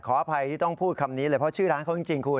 ขออภัยที่ต้องพูดคำนี้เลยเพราะชื่อร้านเขาจริงคุณ